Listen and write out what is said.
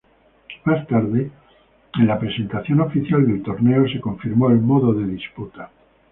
Más tarde, en la presentación oficial del torneo, se confirmó el modo de disputa.